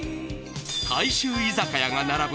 大衆居酒屋が並ぶ